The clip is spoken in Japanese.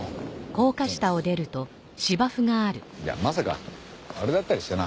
まさかあれだったりしてな。